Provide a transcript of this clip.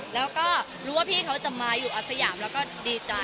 แล้วก็รู้ว่าพี่เขาจะมาอยู่อาสยามแล้วก็ดีใจ